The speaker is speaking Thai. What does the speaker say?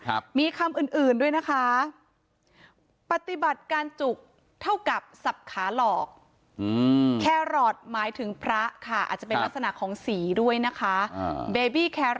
ใช่มีคำอื่นด้วยนะคะปฏิบัติการจุกเท่ากับศัพท์ท์ขาเลาะแครอทหมายถึงพระอาจจะเป็นลักษณะของฝีด้วยนะคะ